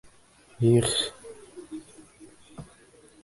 Их-х...